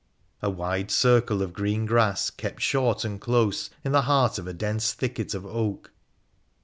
A wide circle of green grass, kept short and close, in the heart of a dense thicket of oak.